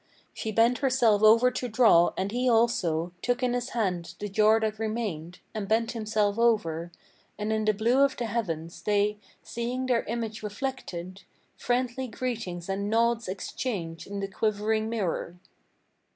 She bent herself over to draw, and he also Took in his hand the jar that remained, and bent himself over, And in the blue of the heavens, they, seeing their image reflected, Friendly greetings and nods exchanged in the quivering mirror.